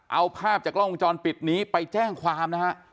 เอาภาพจากกล้องวงจรปิดนี้ไปแจ้งความนะฮะ